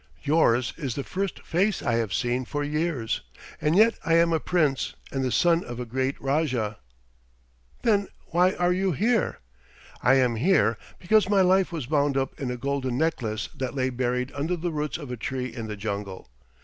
Yours is the first face I have seen for years, and yet I am a Prince, and the son of a great Rajah." "Then why are you here?" "I am here because my life was bound up in a golden necklace that lay buried under the roots of a tree in the jungle.